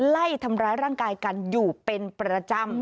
ไล่ทำร้ายร่างกายกันอยู่เป็นประจำ